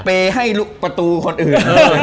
เปรยให้ประตูคนอื่น